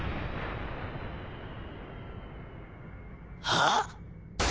はあ？